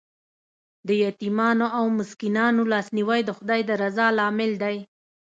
د یتیمانو او مسکینانو لاسنیوی د خدای د رضا لامل دی.